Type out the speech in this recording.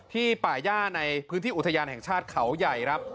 ป่าย่าในพื้นที่อุทยานแห่งชาติเขาใหญ่ครับ